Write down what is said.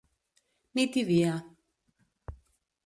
Nit i dia.